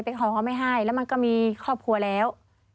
ของเขาไม่ให้แล้วมันก็มีครอบครัวแล้ว